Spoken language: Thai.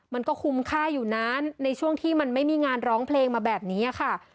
มันก็คุ้มค่าอยู่นั้นในช่วงที่มันไม่มีงานร้องเพลงมาแบบนี้ค่ะ